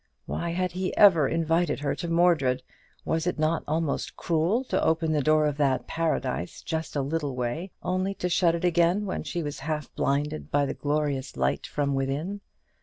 Why had he ever invited her to Mordred? Was it not almost cruel to open the door of that paradise just a little way, only to shut it again when she was half blinded by the glorious light from within?